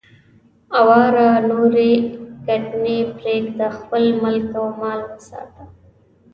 اواره نورې ګټنې پرېږده، خپل ملک او مال وساته.